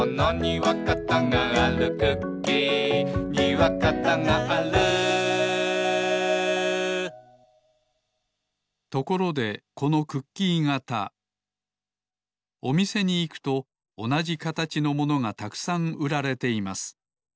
そうあれをつかうのですところでこのクッキー型おみせにいくとおなじかたちのものがたくさんうられています。